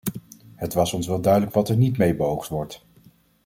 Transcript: Het was ons wel duidelijk wat er niet mee beoogd wordt.